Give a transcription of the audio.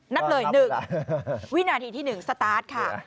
นับเลย๑วินาทีที่๑สตาร์ทค่ะ